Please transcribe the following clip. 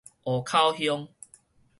湖口鄉